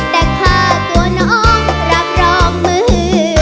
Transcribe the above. แต่ข้าตัวน้องรับรองเหมือนเดิม